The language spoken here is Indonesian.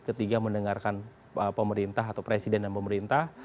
ketiga mendengarkan pemerintah atau presiden dan pemerintah